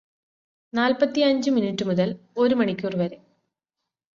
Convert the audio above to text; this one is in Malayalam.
നാൽപ്പത്തഞ്ചു മിനുറ്റുമുതൽ ഒരു മണിക്കൂർ വരെ